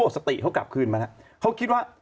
สติเขากลับคืนมาแล้วเขาคิดว่า